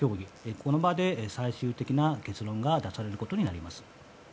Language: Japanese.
この場で、最終的な結論が出されることになります。